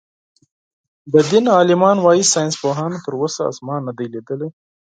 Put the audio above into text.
د دين عالمان وايي ساينسپوهانو تر اوسه آسمان نۀ دئ ليدلی.